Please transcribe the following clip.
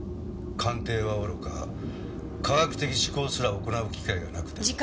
鑑定はおろか科学的思考すら行う機会がなくて。